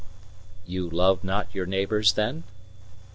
"You love not your neighbours, then?"